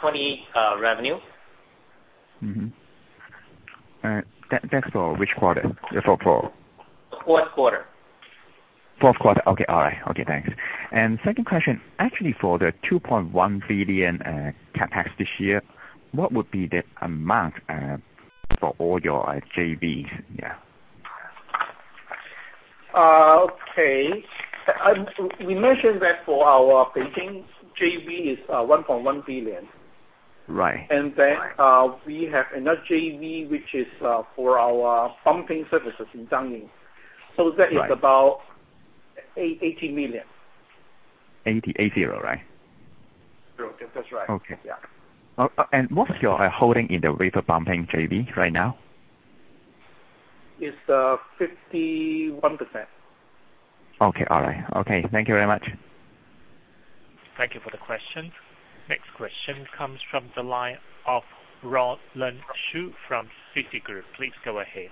E: 28 revenue.
J: Mm-hmm. That is for which quarter?
E: Fourth quarter.
J: Fourth quarter, okay. All right. Okay, thanks. Second question, actually for the $2.1 billion CapEx this year, what would be the amount for all your JVs? Yeah.
E: Okay. We mentioned that for our Beijing JV is $1.1 billion.
J: Right.
E: We have another JV, which is for our bumping services in Jiangyin. That is about $80 million.
J: 80. 8-0, right?
E: That's right.
J: Okay.
E: Yeah.
J: What's your holding in the wafer bumping JV right now?
E: It's 51%.
J: Okay. All right. Okay. Thank you very much.
A: Thank you for the question. Next question comes from the line of Roland Xu from Citigroup. Please go ahead.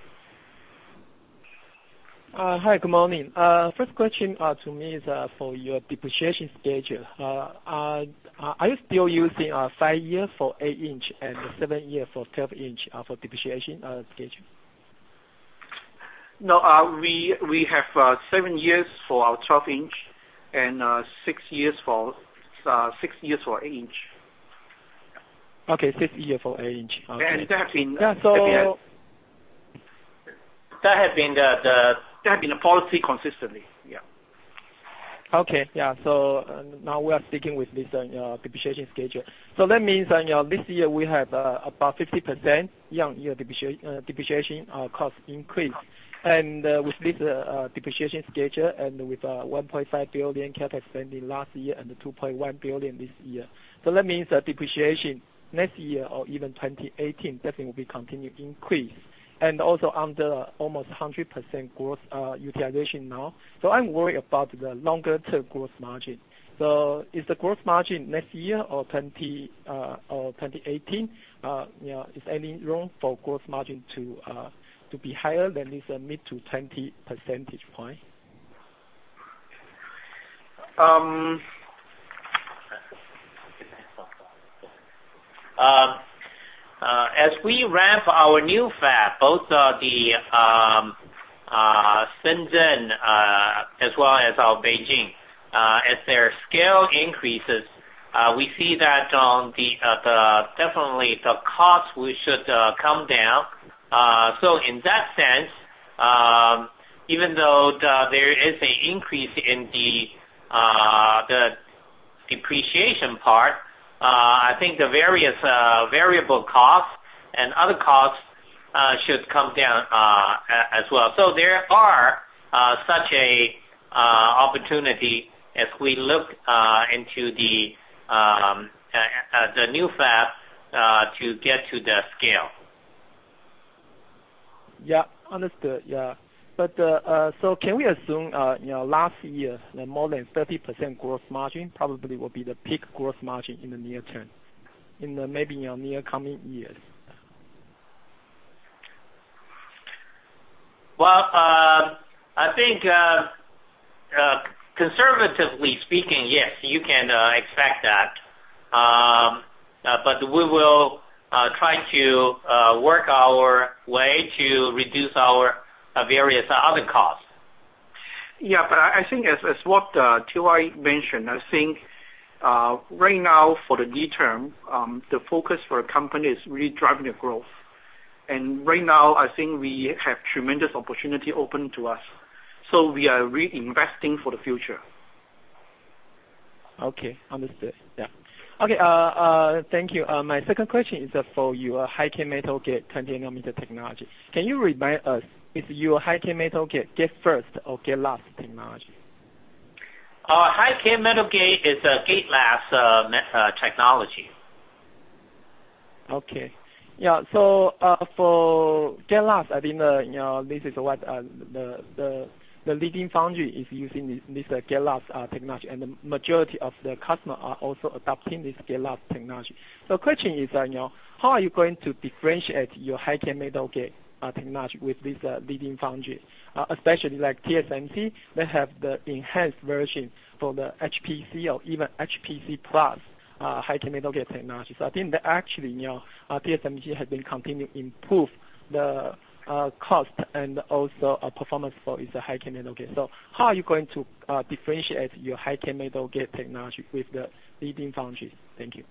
K: Hi. Good morning. First question to me is for your depreciation schedule. Are you still using five years for eight inch and seven years for 12 inch for depreciation scheduling?
E: No. We have seven years for our 12 inch and six years for eight inch.
K: Okay. Six year for eight inch. Okay.
E: And that has been-
K: Yeah,
E: That has been the policy consistently. Yeah.
K: Okay. Yeah. Now we are sticking with this depreciation schedule. That means that this year we have about 50% year-on-year depreciation cost increase, with this depreciation schedule and with $1.5 billion CapEx spending last year and $2.1 billion this year. That means that depreciation next year or even 2018, definitely will be continued increase. Also under almost 100% gross utilization now. I'm worried about the longer-term gross margin. Is the gross margin next year or 2018, is any room for gross margin to be higher than this mid to 20 percentage point?
E: As we ramp our new fab, both the Shenzhen as well as our Beijing, as their scale increases, we see that definitely the cost should come down. In that sense, even though there is an increase in the depreciation part, I think the various variable costs and other costs should come down as well. There are such an opportunity as we look into the new fab to get to that scale.
K: Yeah. Understood. Yeah. Can we assume last year that more than 30% gross margin probably will be the peak gross margin in the near term, in the maybe near coming years?
E: I think, conservatively speaking, yes, you can expect that. We will try to work our way to reduce our various other costs. Yeah. I think as what TY mentioned, I think right now for the near term, the focus for a company is really driving the growth. Right now, I think we have tremendous opportunity open to us. We are really investing for the future.
K: Okay, understood. Yeah. Okay. Thank you. My second question is for your High-K Metal Gate 28 nanometer technology. Can you remind us, is your High-K Metal Gate, gate-first or gate-last technology?
C: High-K Metal Gate is a gate-last technology.
K: Okay. Yeah. For gate-last, I think this is what the leading foundry is using, this gate-last technology, and the majority of the customer are also adopting this gate-last technology. Question is, how are you going to differentiate your High-K Metal Gate technology with this leading foundry? Especially like TSMC, they have the enhanced version for the HPC or even HPC plus High-K Metal Gate technology. I think that actually, TSMC has been continuing improve the cost and also performance for its High-K Metal Gate. How are you going to differentiate your High-K Metal Gate technology with the leading foundry? Thank you.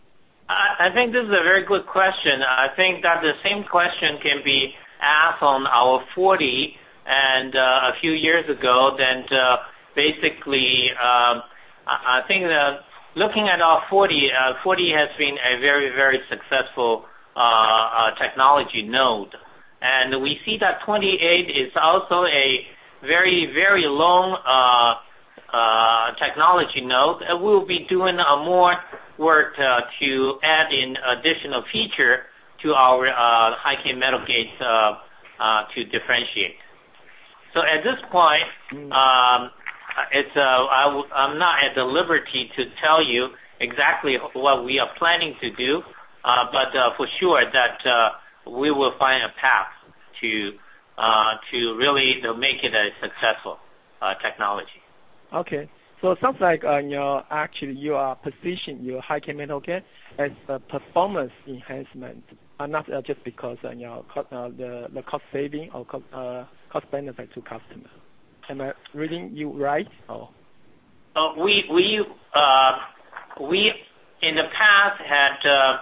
C: I think this is a very good question. I think that the same question can be asked on our 40 a few years ago, then basically, I think looking at our 40 has been a very successful technology node. We see that 28 is also a very long technology node, and we'll be doing more work to add in additional feature to our High-K Metal Gate to differentiate. At this point, I'm not at the liberty to tell you exactly what we are planning to do. For sure that we will find a path to really make it a successful technology.
K: Okay. It sounds like on your, actually your position, your High-K Metal Gate as a performance enhancement and not just because the cost saving or cost benefit to customer. Am I reading you right? Or
C: We in the past had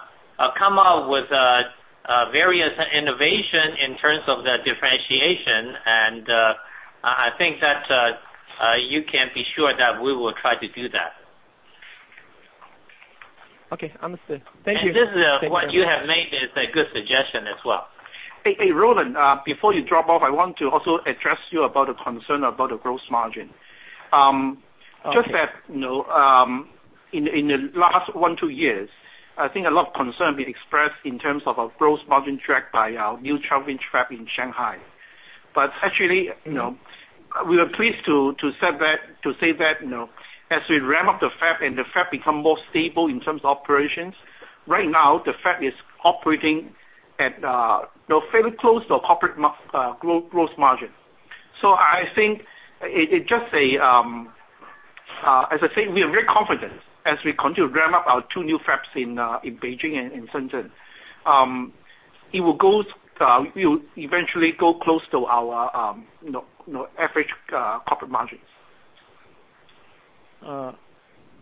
C: come out with various innovation in terms of the differentiation, I think that you can be sure that we will try to do that.
K: Okay, understood. Thank you.
C: This is what you have made is a good suggestion as well.
E: Hey, Roland, before you drop off, I want to also address you about a concern about the gross margin.
K: Okay.
E: Just that, in the last one, two years, I think a lot of concern being expressed in terms of our gross margin track by our new 12-inch fab in Shanghai. Actually, we are pleased to say that, as we ramp up the fab and the fab become more stable in terms of operations. Right now, the fab is operating at very close to corporate gross margin. I think, as I said, we are very confident as we continue to ramp up our two new fabs in Beijing and in Shenzhen. It will eventually go close to our average corporate margins.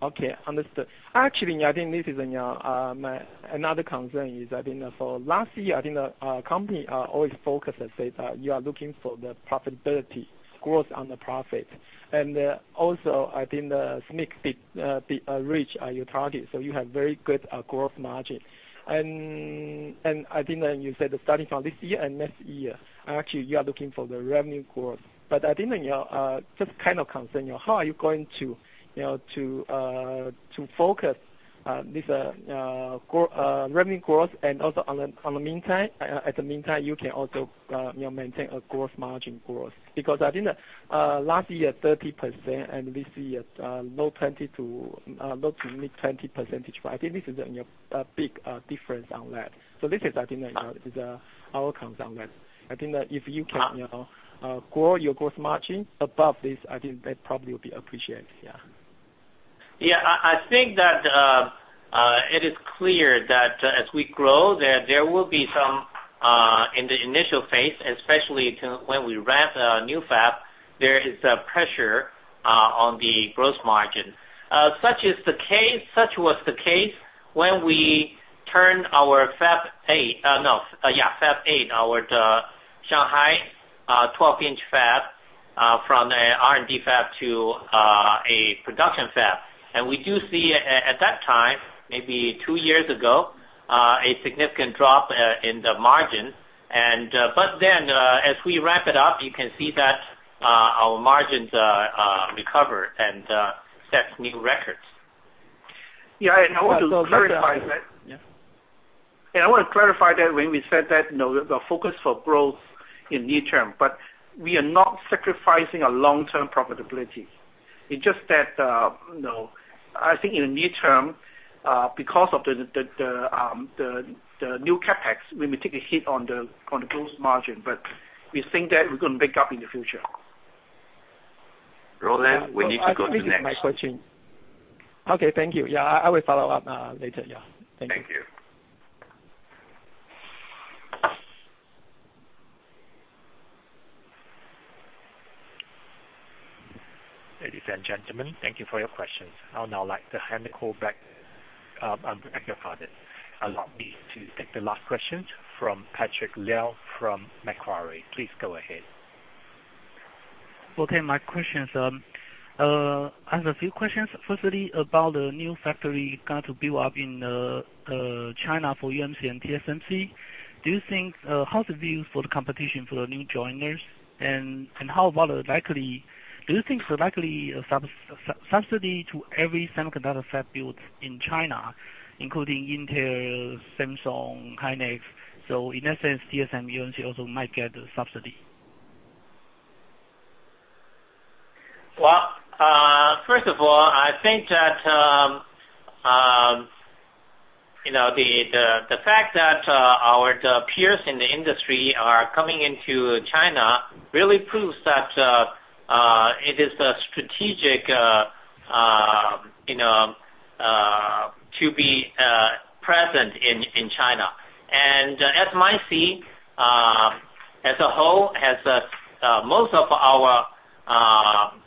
K: Okay, understood. Actually, I think this is another concern is I think for last year, I think our company are always focused. Let's say that you are looking for profitability and growth on the profit. Also, I think the SMIC did reach your target, so you have very good gross margin. I think that you said that starting from this year and next year, actually you are looking for the revenue growth. I think, just kind of concern, how are you going to focus on this revenue growth and also at the meantime, you can also maintain a gross margin growth. Because I think that last year, 30% and this year, low to mid 20 percentage point. I think this is a big difference on that. This is I think is our concerns on that. I think that if you can grow your gross margin above this, I think that probably would be appreciated, yeah.
C: Yeah, I think that it is clear that as we grow, there will be some, in the initial phase, especially to when we ramp a new fab, there is a pressure on the gross margin. Such was the case when we turned our Fab 8, our Shanghai 12-inch fab, from a R&D fab to a production fab. We do see, at that time, maybe two years ago, a significant drop in the margin. As we ramp it up, you can see that our margins recover and set new records.
E: Yeah, I want to clarify that.
K: Yeah.
E: I want to clarify that when we said that, the focus for growth in near term, we are not sacrificing our long-term profitability. It's just that, I think in the near term, because of the new CapEx, we may take a hit on the gross margin, we think that we're going to make up in the future.
C: Roland, we need to go to the next.
K: This is my question. Okay, thank you. Yeah, I will follow up later. Yeah. Thank you.
C: Thank you.
A: Ladies and gentlemen, thank you for your questions. I would now like to hand the call back. Allow me to take the last question from Patrick Liao from Macquarie. Please go ahead.
L: Okay. I have a few questions. Firstly, about the new factory you're going to build up in China for UMC and TSMC. How is the view for the competition for the new joiners, and do you think it's likely a subsidy to every semiconductor fab built in China, including Intel, Samsung, Hynix? In that sense, TSMC, UMC also might get a subsidy.
C: Well, first of all, I think that the fact that our peers in the industry are coming into China really proves that it is strategic to be present in China. SMIC, as a whole, has most of our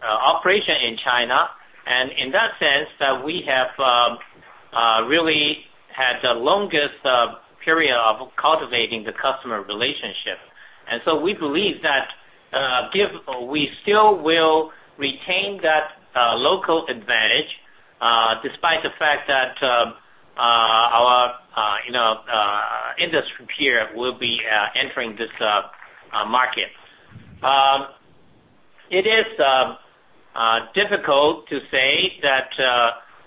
C: operation in China. In that sense, we have really had the longest period of cultivating the customer relationship. We believe that we still will retain that local advantage despite the fact that our industry peer will be entering this market. It is difficult to say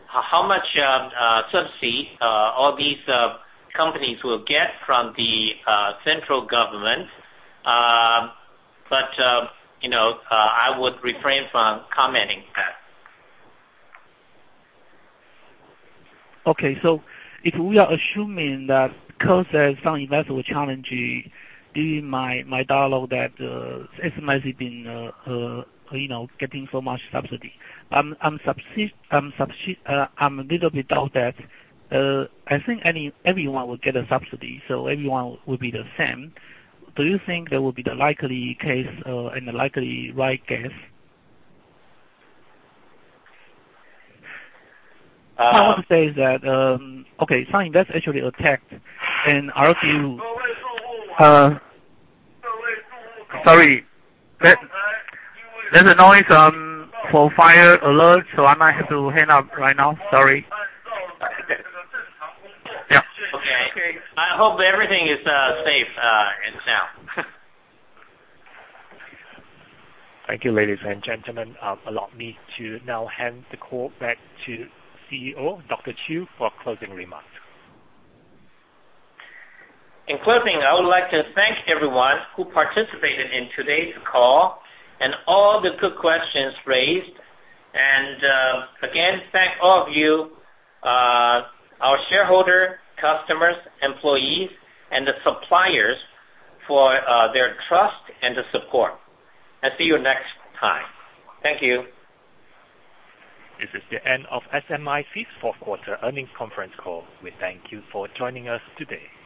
C: how much subsidy all these companies will get from the central government. I would refrain from commenting that.
L: Okay. If we are assuming that because some investor were challenging, during my dialogue that SMIC has been getting so much subsidy. I'm a little bit doubt that I think everyone will get a subsidy, so everyone will be the same. Do you think that would be the likely case and the likely right case?
C: Uh-
L: What I want to say is that, okay, some investor actually attacked. Sorry, there's a noise for fire alert, so I might have to hang up right now. Sorry.
C: Okay. I hope everything is safe and sound.
A: Thank you, ladies and gentlemen. Allow me to now hand the call back to CEO, Tzu-Yin Chiu, for closing remarks.
C: In closing, I would like to thank everyone who participated in today's call and all the good questions raised. Again, thank all of you, our shareholder, customers, employees, and the suppliers for their trust and the support. I'll see you next time. Thank you.
A: This is the end of SMIC's fourth quarter earnings conference call. We thank you for joining us today.